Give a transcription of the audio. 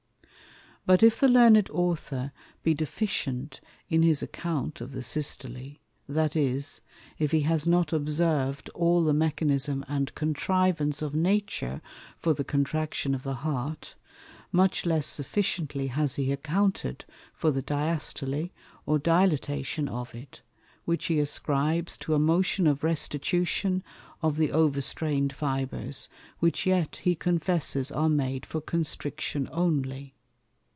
But if the Learned Author be deficient in his Account of the Systole; that is, if he has not observ'd all the Mechanism and Contrivance of Nature for the Contraction of the Heart; much less sufficiently has he accounted for the Diastole, or Dilatation of it, which he ascribes to a motion of Restitution of the over strain'd Fibres, which yet he confesses are made for Constriction only.